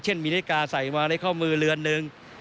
เช่นมีนาฬิกาใส่มาในข้อมือเรือนหนึ่ง